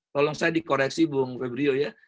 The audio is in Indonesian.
tolong saya dikoreksi bung febrio ya